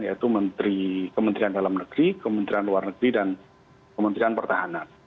yaitu kementerian dalam negeri kementerian luar negeri dan kementerian pertahanan